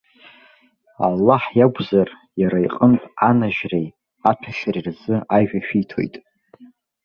Аллаҳ иакәзар, иара иҟынтә анажьреи аҭәашьареи рзы ажәа шәиҭоит.